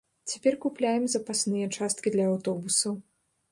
Цяпер купляем запасныя часткі для аўтобусаў.